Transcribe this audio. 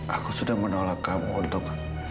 aku sudah menolak kamu untuk